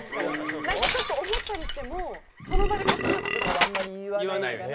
なんかちょっと思ったりしてもその場でこう強くとかはあんまり言わない。